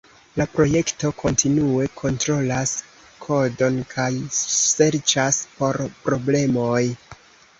La projekto kontinue kontrolas kodon kaj serĉas por problemoj.